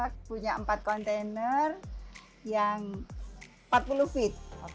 kita punya empat kontainer yang empat puluh feet